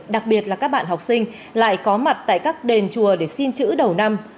đặc biệt là các bạn học sinh lại có mặt tại các đền chùa để xin chữ đầu năm